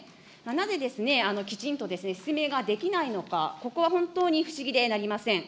なぜですね、きちんと説明ができないのか、ここは本当に不思議でなりません。